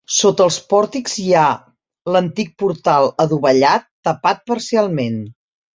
Sota els pòrtics hi ha l'antic portal adovellat, tapat parcialment.